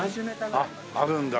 あっあるんだ。